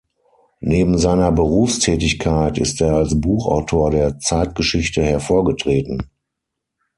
Neben seiner Berufstätigkeit ist er als Buchautor der Zeitgeschichte hervorgetreten.